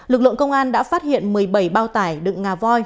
lực lượng công an đã phát hiện một mươi bảy bao tải đựng ngà voi